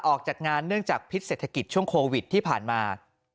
ออกจากงานเนื่องจากพิษเศรษฐกิจช่วงโควิดที่ผ่านมา